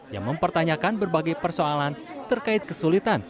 yang mempertanyakan berbagai persoalan terkait kesulitan